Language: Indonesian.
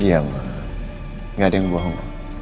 iya mah gak ada yang bohong